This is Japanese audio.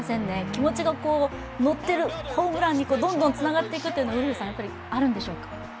気持ちが乗ってる、ホームランにどんどんつながっていくというのは、あるんでしょうか？